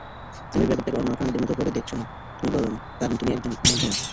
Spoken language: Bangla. তুমি ব্যাপারটাকে অন্য প্রাণীদের মতো করে দেখছো না, কারণ তুমি একজন ভ্যাম্পায়ার।